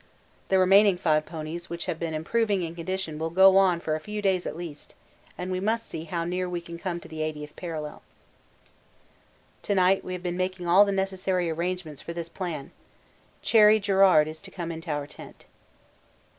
The remaining five ponies which have been improving in condition will go on for a few days at least, and we must see how near we can come to the 80th parallel. To night we have been making all the necessary arrangements for this plan. Cherry Garrard is to come into our tent.